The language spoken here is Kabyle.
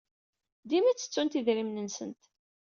Dima ttettunt idrimen-nsent.